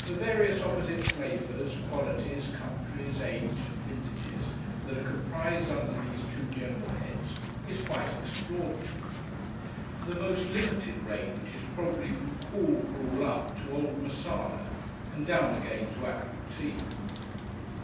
The various opposite flavours, qualities, countries, ages, and vintages that are comprised under these two general heads is quite extraordinary. The most limited range is probably from cool Gruel up to old Marsala, and down again to apple Tea.